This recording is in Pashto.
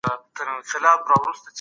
ښوونکی د ماشومانو استعدادونه کشف کوي.